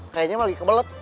kayaknya lagi kebelet